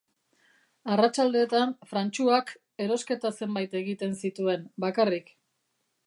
Arratsaldeetan Frantxuak erosketa zenbait egiten zituen, bakarrik.